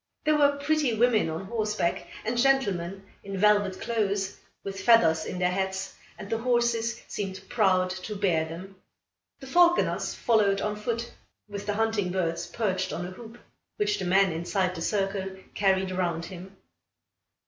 There were pretty women on horseback, and gentlemen in velvet clothes, with feathers in their hats, and the horses seemed proud to bear them. The falconers followed on foot, with the hunting birds perched on a hoop, which the man inside the circle carried round him.